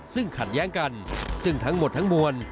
ซึ่งขัดแย้งกันซึ่งทั้งหมดทั้งมวล